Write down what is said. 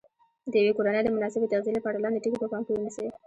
د یوې کورنۍ د مناسبې تغذیې لپاره لاندې ټکي په پام کې ونیسئ.